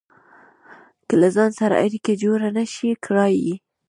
که له ځان سره اړيکه جوړه نشئ کړای.